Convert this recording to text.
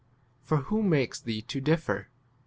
For who makes thee to differ ?